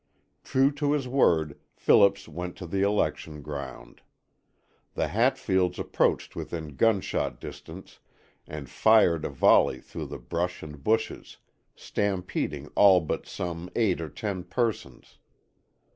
True to his word, Phillips went to the election ground. The Hatfields approached within gunshot distance and fired a volley through the brush and bushes, stampeding all but some eight or ten persons.